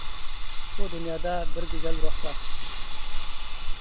بۇ دۇنيادا بىر گۈزەل روھ بار.